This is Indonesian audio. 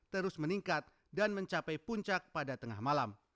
terus meningkat dan mencapai puncak pada tengah malam